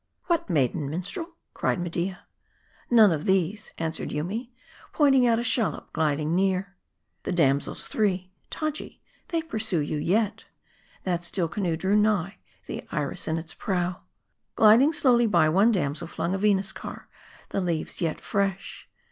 " What maiden, minstrel ?" cried Media. "None of these," answered Yoomy, pointing out a shal lop gliding near. " The damsels three : Taji, they pursue you yet." That still canoe drew nigh, the Iris in its prow. Gliding slowly by, one damsel flung a Venus car, the leaves yet fresh.